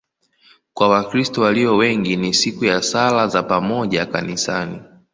Kwa Wakristo walio wengi ni siku ya sala za pamoja kanisani.